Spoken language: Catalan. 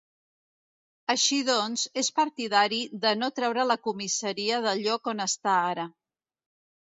Així doncs, és partidari de no treure la comissaria del lloc on està ara.